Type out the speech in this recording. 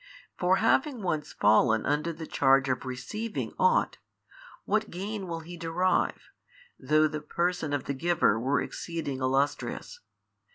For having once fallen under the charge of receiving ought, what gain will He derive, though the Person of the Giver were exceeding illustrious?